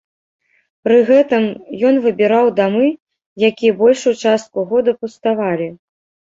Пры гэтым ён выбіраў дамы, якія большую частку года пуставалі.